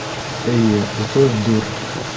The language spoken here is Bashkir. - Эйе, утыҙ дүрт.